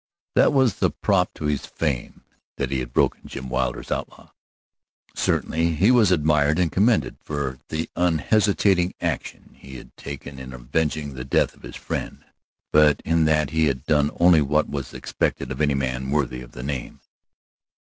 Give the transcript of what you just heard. That was the prop to his fame that he had broken Jim Wilder's outlaw. Certainly he was admired and commended for the unhesitating action he had taken in avenging the death of his friend, but in that he had done only what was expected of any man worthy the name.